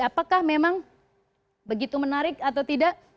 apakah memang begitu menarik atau tidak